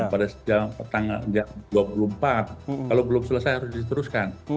pada tanggal dua puluh empat kalau belum selesai harus diteruskan